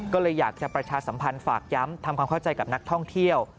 ก็เลยอยากจะประชาสัมพันธ์ฝากย้ำทำความเข้าใจกับนักท่องเที่ยว